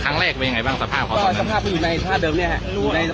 ตอนนั้นเขาหมดสติตะไฟรุดขวมดวงไปหมดและ